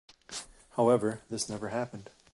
However, this never happened.